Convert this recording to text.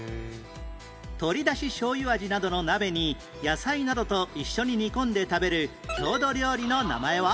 鶏出汁しょうゆ味などの鍋に野菜などと一緒に煮込んで食べる郷土料理の名前は？